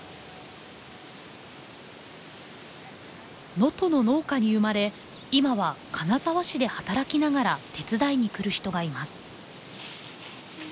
能登の農家に生まれ今は金沢市で働きながら手伝いに来る人がいます。